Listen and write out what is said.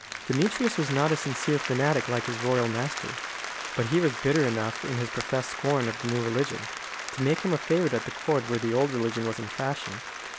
Demetrius was not a sincere fanatic like his royal master; but he was bitter enough in his professed scorn of the new religion, to make him a favourite at the court where the old religion was in fashion.